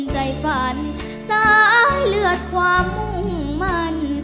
ใจฝันสะอาเลือดความมั่น